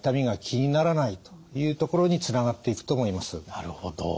なるほど。